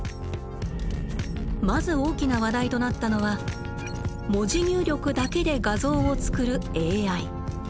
まず大きな話題となったのは「文字入力だけで画像を作るＡＩ」。